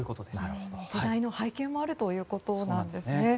時代背景もあるということなんですね。